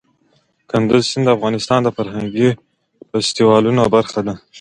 کندز سیند د افغانستان د فرهنګي فستیوالونو برخه ده.